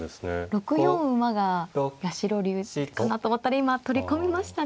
６四馬が八代流かなと思ったら今取り込みましたね。